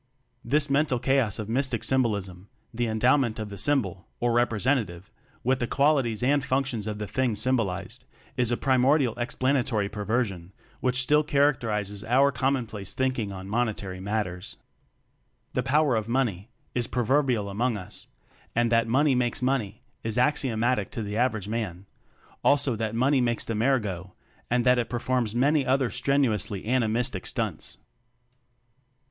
This mental chaos of mystic sym bolism the endowment of the sym bol (or "representative") with the qualities and functions of the thing symbolized is a primordial explana tory perversion which still character izes our commonplace thinking on monetary matters. The "power of money" is proverbial among us; and that "money makes money" is axio matic to the average man; also that "money makes the mare go," and that it performs many other strenuously animistic stunts.